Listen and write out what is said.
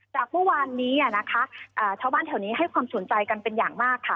จากเมื่อวานนี้นะคะชาวบ้านแถวนี้ให้ความสนใจกันเป็นอย่างมากค่ะ